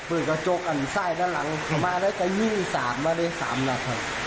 เปิดกระจกอ่ะอันทรายด้านหลังผมมาแล้วก็ยื่นสุกมาได้๓นับครับ